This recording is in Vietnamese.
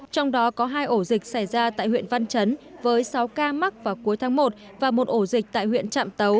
trong đó có hai ổ dịch xảy ra tại huyện văn chấn với sáu ca mắc vào cuối tháng một và một ổ dịch tại huyện trạm tấu